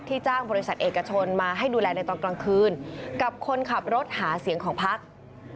จ้างบริษัทเอกชนมาให้ดูแลในตอนกลางคืนกับคนขับรถหาเสียงของพัก